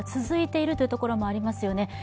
続いているというところもありますよね。